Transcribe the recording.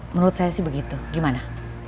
menurut saya sih begitu gimana